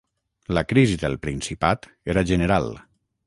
La crisi del Principat era general.